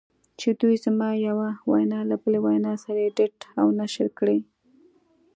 چې دوی زما یوه وینا له بلې وینا سره ایډیټ و نشر کړې